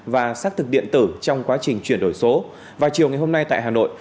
và xác thực điện tử trong quá trình chuyển đổi số vào chiều ngày hôm nay tại hà nội